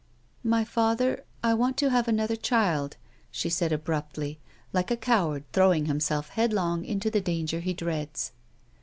"My father, I want to have another child," she said abruptly, like a coward throwing himself headlong into the danger he dreads.